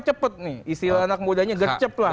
cepet nih istilah anak mudanya gercep lah